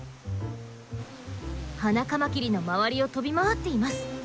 ハナカマキリの周りを飛び回っています。